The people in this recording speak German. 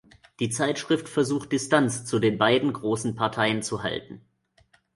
Die Zeitschrift versucht Distanz zu den beiden großen Parteien zu halten.